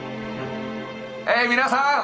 え皆さん